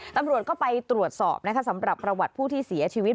ตำรวจก็ไปตรวจสอบนะคะสำหรับประวัติผู้ที่เสียชีวิต